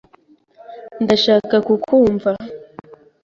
ndashaka kukwumva.